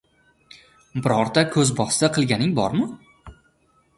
Birorta ko‘zbosti qilganing bormi?